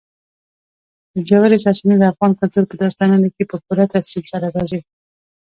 ژورې سرچینې د افغان کلتور په داستانونو کې په پوره تفصیل سره راځي.